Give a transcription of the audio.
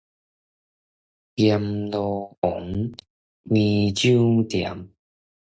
閻羅王開酒店